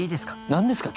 何ですか？